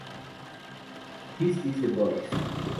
This is the voice.